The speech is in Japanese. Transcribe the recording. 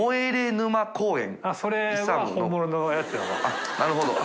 あっなるほど。